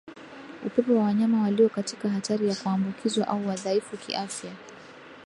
Uwepo wa wanyama walio katika hatari ya kuambukizwa au wadhaifu kiafya